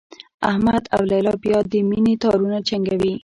احمد او لیلا بیا د مینې تارونه جنګوي